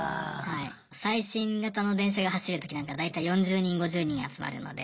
最新型の電車が走るときなんか大体４０人５０人集まるので。